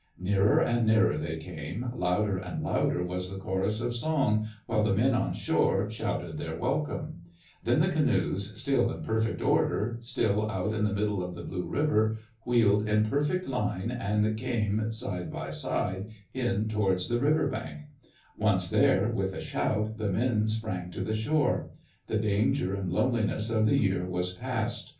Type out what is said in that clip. Nearer and nearer they came, louder and louder was die chorus of song, while the men on shore shouted their welcome. Then the canoes, still in perfect order, still out in the middle of the blue river, wheeled in perfect line, [ 102] •■ Digitized by Google FORT VANCOUVER AND JOHN McLOUGHLIN and came, side by side, in towards the river bank. Once there, with a shout the men sprang to the shore. The danger and loneliness of the year was past.